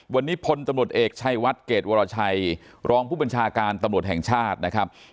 วันนี้พลตำรวจเอกชัยวัดเกรดวรชัยรองผู้บัญชาการตำรวจแห่งชาตินะครับ